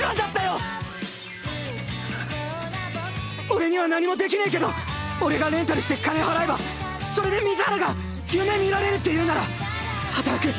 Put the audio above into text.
俺には何もできないけど俺がレンタルして金払えばそれで水原が夢見られるっていうなら働く。